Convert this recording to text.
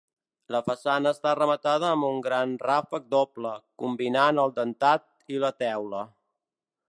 La façana està rematada amb un gran ràfec doble, combinant el dentat i la teula.